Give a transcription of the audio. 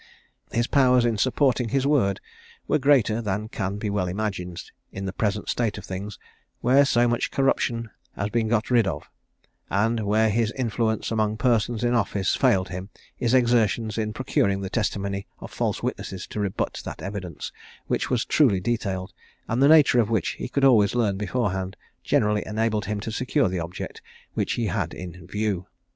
His powers in supporting his word were greater than can be well imagined, in the present state of things, where so much corruption has been got rid of; and where his influence among persons in office failed him, his exertions in procuring the testimony of false witnesses to rebut that evidence which was truly detailed, and the nature of which he could always learn beforehand, generally enabled him to secure the object, which he had in view.